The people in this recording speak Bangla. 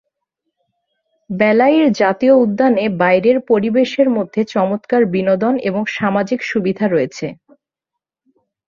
বেলাইর জাতীয় উদ্যানে বাইরের পরিবেশের মধ্যে চমৎকার বিনোদন এবং সামাজিক সুবিধা রয়েছে।